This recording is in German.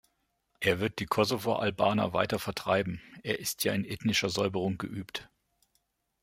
Er wird die Kosovo-Albaner weiter vertreiben, er ist ja in ethnischer Säuberung geübt.